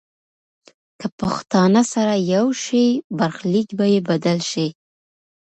که پښتانه سره یو شي، برخلیک به یې بدل شي.